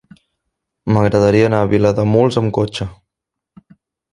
M'agradaria anar a Vilademuls amb cotxe.